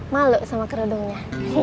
malu sama kerudungnya